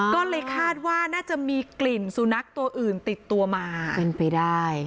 ก็เลยคาดว่าน่าจะมีกลิ่นสุนัขตัวอื่นติดตัวมาเป็นไปได้